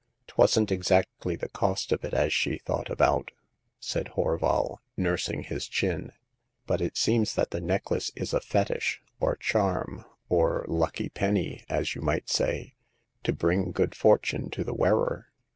Twasn't exactly the cost of it as she thought about,*' said Horval, nursing his chin, but it seems that the necklace is a fetish, or charm, or lucky penny, as you might say, to bring good for tune to the wearer.